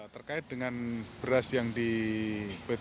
terkait dengan beras yang dipasukan